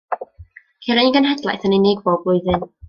Ceir un genhedlaeth yn unig bob blwyddyn.